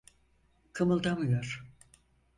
Kımıldamıyor.